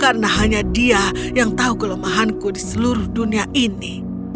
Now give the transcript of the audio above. karena hanya dia yang tahu kelemahanku di seluruh dunia ini